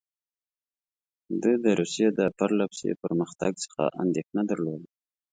ده د روسیې د پرله پسې پرمختګ څخه اندېښنه درلوده.